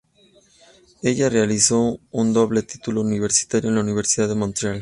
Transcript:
Ella realiza un doble título universitario en la Universidad de Montreal.